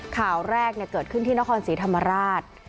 ข่าวแรกเกิดขึ้นที่นครศรีธรรมราช